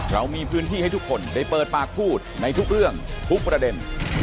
เรามีพื้นที่ให้ทุกคนได้เปิดปากพูดในทุกเรื่องทุกประเด็น